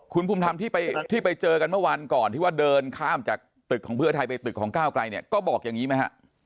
คุณภูมิท่านที่ไปเจอกันเมื่อวันก่อนที่ว่าเดินข้ามจากตึกของเพื่อไทยไปตึกของก้าวกลายเนี่ย